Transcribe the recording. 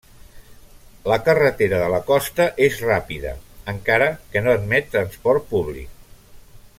La carretera de la costa és ràpida, encara que no admet transport públic.